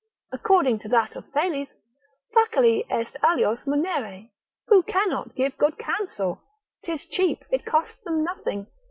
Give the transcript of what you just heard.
According to that of Thales, Facile est alios monere; who cannot give good counsel? 'tis cheap, it costs them nothing.